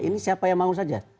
ini siapa yang mau saja